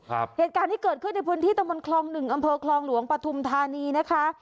เหตุการณ์ที่เกิดขึ้นในพื้นที่ตะมนตคลองหนึ่งอำเภอคลองหลวงปฐุมธานีนะคะ